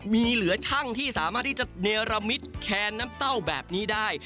มีเหลือช่างที่สามารถที่จะเนรมิตแคนน้ำเต้าแบบนี้ได้